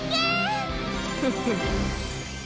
ウフフフ！